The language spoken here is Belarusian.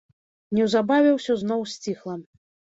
Неўзабаве ўсё зноў сціхла.